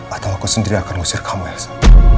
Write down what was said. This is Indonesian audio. atau aku sendiri yang akan ngusir kamu elsa